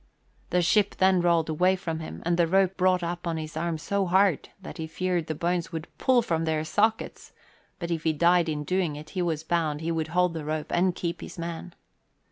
The ship then rolled away from him, and the rope brought up on his arm so hard that he feared the bones would pull from their sockets; but if he died in doing it he was bound he would hold the rope and keep his man.